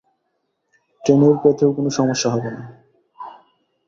Tenure পেতেও কোনো সমস্যা হবে না।